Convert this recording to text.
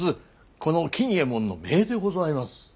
この金右衛門の姪でございます。